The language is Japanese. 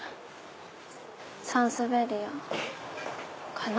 サンスベリアかな。